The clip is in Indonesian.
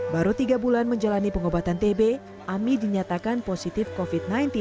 baru tiga bulan menjalani pengobatan tb ami dinyatakan positif covid sembilan belas